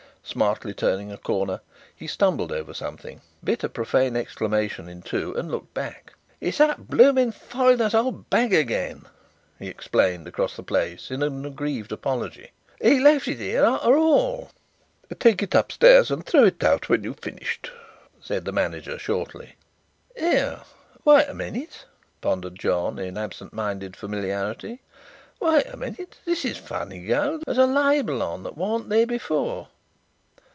Smartly turning a corner, he stumbled over something, bit a profane exclamation in two, and looked back. "It's that bloomin' foreigner's old bag again," he explained across the place in aggrieved apology. "He left it here after all." "Take it upstairs and throw it out when you've finished," said the manager shortly. "Here, wait a minute," pondered John, in absent minded familiarity. "Wait a minute. This is a funny go. There's a label on that wasn't here before.